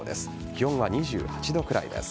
気温は２８度くらいです。